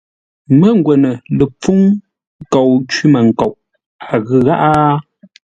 Mə́ngwə́nə lə pfúŋ nkou cwímənkoʼ, a ghʉ gháʼá ?